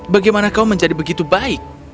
bagaimana kau menjadi begitu baik